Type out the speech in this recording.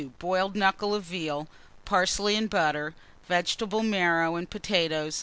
Boiled knuckle of veal, parsley and butter, vegetable marrow and potatoes.